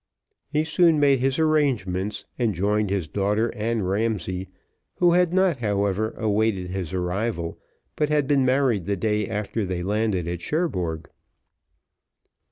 He soon made his arrangements, and joined his daughter and Ramsay, who had not, however, awaited his arrival, but had been married the day after they landed at Cherbourg.